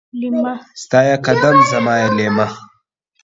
ستا يې قدم ، زما يې ليمه.